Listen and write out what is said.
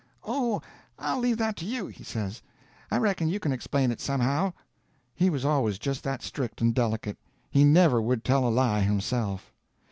"Oh, I'll leave that to you," he says. "I reckon you can explain it somehow." He was always just that strict and delicate. He never would tell a lie himself.